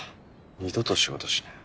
二度と仕事しない。